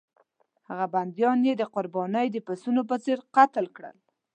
هغه بندیان یې د قربانۍ د پسونو په څېر قتل کړل.